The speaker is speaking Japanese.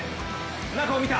中を見た。